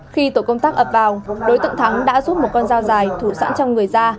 khi tổ công tác ập vào đối tượng thắng đã rút một con dao dài thủ sẵn trong người ra